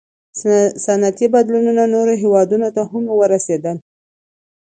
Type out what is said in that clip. • صنعتي بدلونونه نورو هېوادونو ته هم ورسېدل.